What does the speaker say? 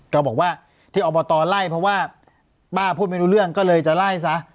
ก็บอกว่าที่อบตไล่เพราะว่าป้าพูดไม่รู้เรื่องก็เลยจะไล่ซะ